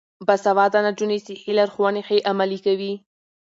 باسواده نجونې صحي لارښوونې ښې عملي کوي.